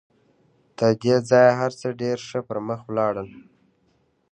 تر دې ځایه هر څه ډېر ښه پر مخ ولاړل